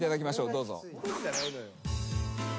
どうぞ。